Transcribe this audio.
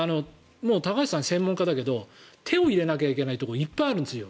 高橋さん、専門家だけど手を入れなきゃいけないところいっぱいあるんですよ。